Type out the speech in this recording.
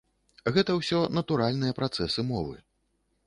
Гэта ўсё натуральныя працэсы мовы.